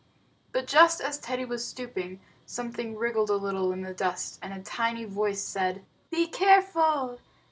But just as Teddy was stooping, something wriggled a little in the dust, and a tiny voice said: "Be careful.